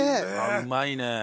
うまいね。